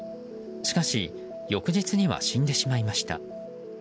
しかし翌日には死んでしまいました。